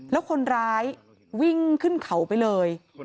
แล้วคนร้ายวิ่งขึ้นเขาไปเลย